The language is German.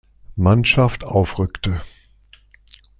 Mannschaft aufrückte.